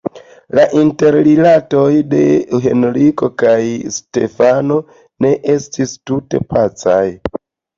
La interrilatoj de Henriko kaj Stefano ne estis tute pacaj.